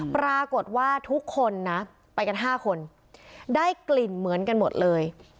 ปรากฏว่าทุกคนนะไปกัน๕คนได้กลิ่นเหมือนกันหมดเลย